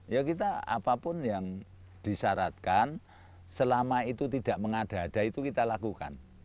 ya kita apapun yang disyaratkan selama itu tidak mengada ada itu kita lakukan